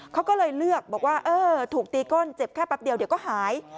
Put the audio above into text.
เขาก็เลยเลือกบอกว่าเออถูกตีก้นเจ็บแค่แป๊บเดียวเดี๋ยวก็หาย